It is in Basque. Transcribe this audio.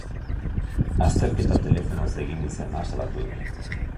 Azterketa telefonoz egin izana salatu du.